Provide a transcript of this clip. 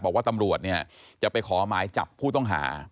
บอกว่าตำรวจเนี่ยจะไปขอหมายจับผู้ต้องหา